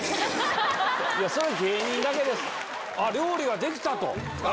料理ができたと。